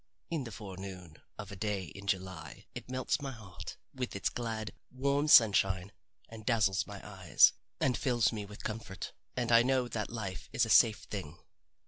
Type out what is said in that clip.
In the forenoon of a day in July it melts my heart with its glad, warm sunshine and dazzles my eyes and fills me with comfort and I know that life is a safe thing.